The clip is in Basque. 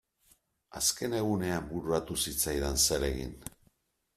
Azken egunean bururatu zitzaidan zer egin.